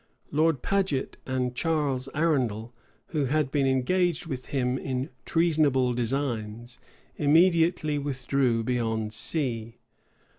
Lord Paget and Charles Arundel, who had been engaged with him in treasonable designs, immediately withdrew beyond sea.